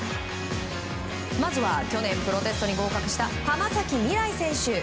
まずは去年プロテストに合格した浜崎未来選手。